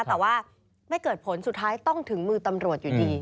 แต่ว่าไม่เกิดผลสุดท้ายต้องถึงมือตำรวจอยู่ดี